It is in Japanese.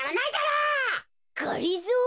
がりぞー？